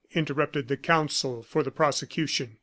interrupted the counsel for the prosecution.